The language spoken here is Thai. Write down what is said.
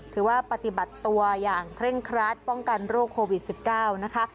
ถือว่าปฏิบัติตัวอย่างเคร่งครัดป้องกันโรคโควิด๑๙นะคะ